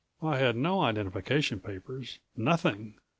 I had no identification papers nothing.